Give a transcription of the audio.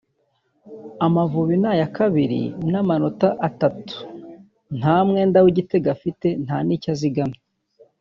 Amavubi ni aya kabiri n’amanota atatu nta mwenda w’igitego afite nta n’icyo azigamye